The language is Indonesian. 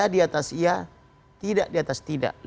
diatas ia tidak diatas tidak